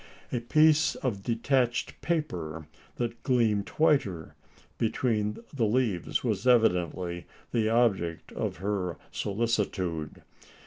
A piece of detached paper that gleamed whiter between the leaves, was evidently the object of her solicitude.